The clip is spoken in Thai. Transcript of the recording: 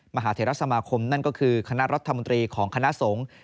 มหาเทรสมาคมนั่นก็คือคณะรัฐมนตรีของคณะสงฆ์